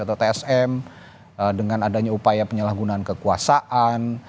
atau tsm dengan adanya upaya penyalahgunaan kekuasaan